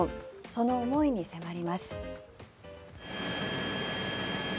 その思いに迫ります。